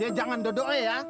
ya jangan dodo eh ya